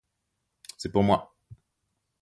C'est pour moi.